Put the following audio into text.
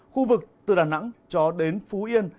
khu vực từ đà nẵng cho đến phú yên